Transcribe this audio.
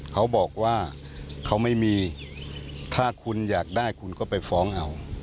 เขาบอกว่าเขาไม่มีถ้าคุณอยากได้คุณก็ไปฟ้องเอา